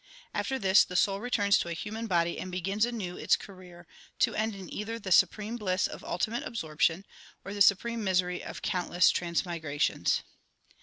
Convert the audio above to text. After this the soul returns to a human body and begins anew its career, to end in either the supreme bliss of ultimate absorption or the supreme misery of countless trans migrations.